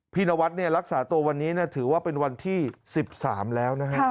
นวัฒน์รักษาตัววันนี้ถือว่าเป็นวันที่๑๓แล้วนะฮะ